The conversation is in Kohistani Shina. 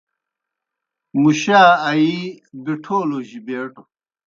مُشا آیِی بِٹَھولوْجیْ بیٹوْ۔